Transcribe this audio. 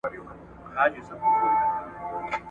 نه مي ږغ له ستوني وزي نه د چا غوږ ته رسېږم !.